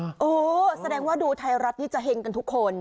โอ้โหแสดงว่าดูไทยรัฐนี่จะเห็งกันทุกคน